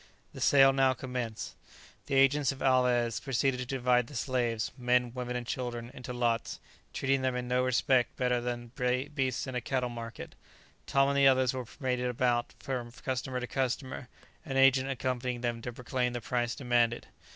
The sale now commenced. The agents of Alvez proceeded to divide the slaves, men, women and children, into lots, treating them in no respect better than beasts in a cattle market. Tom and the others were paraded about from customer to customer, an agent accompanying them to proclaim the price demanded.